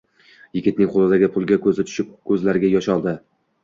Yigitning qoʻlidagi pulga koʻzi tushib, koʻzlariga yosh oldi